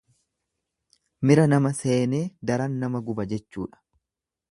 Mira nama seenee daran nama guba jechuudha.